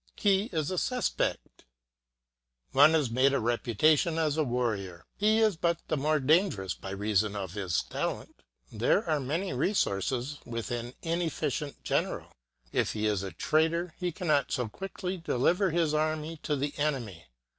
He is a suspect. Has one made a reputation as a warrior ŌĆö he is but the more dangerous by reason of his talent. There are many resources with an inefficient general. If he is a traitor he cannot so quickly deliver his army to the enemy.